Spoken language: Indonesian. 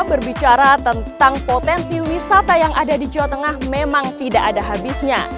berbicara tentang potensi wisata yang ada di jawa tengah memang tidak ada habisnya